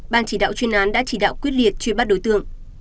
ban chỉ đạo chuyên án đã chỉ đạo quyết liệt truy bắt đối tượng